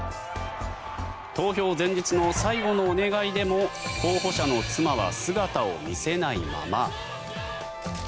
投票前日の最後のお願いでも候補者の妻は姿を見せないまま。